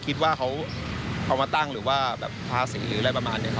คิดว่าเขาเอามาตั้งหรือว่าแบบภาษีหรืออะไรประมาณนี้ครับ